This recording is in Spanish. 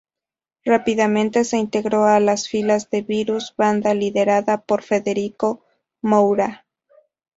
Rápidamente se integró a las filas de Virus, banda liderada por Federico Moura.